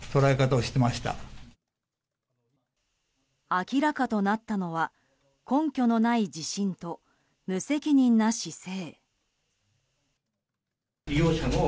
明らかとなったのは根拠のない自信と無責任な姿勢。